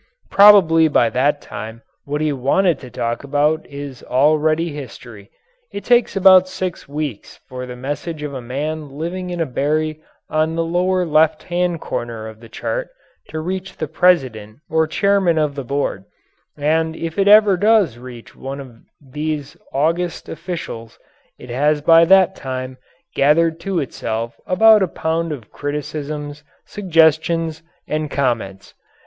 Probably by that time what he wanted to talk about is already history. It takes about six weeks for the message of a man living in a berry on the lower left hand corner of the chart to reach the president or chairman of the board, and if it ever does reach one of these august officials, it has by that time gathered to itself about a pound of criticisms, suggestions, and comments.